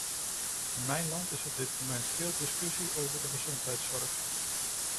In mijn land is op dit moment veel discussie over de gezondheidszorg.